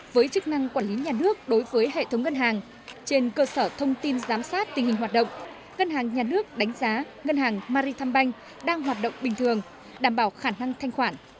với chức năng quản lý nhà nước đối với hệ thống ngân hàng trên cơ sở thông tin giám sát tình hình hoạt động ngân hàng nhà nước đánh giá ngân hàng maricombank đang hoạt động bình thường đảm bảo khả năng thanh khoản